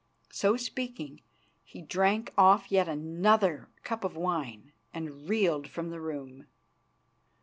So speaking, he drank off yet another cup of wine and reeled from the room.